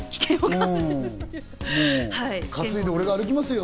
担いで俺が歩きますよ。